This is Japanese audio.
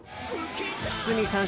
堤さん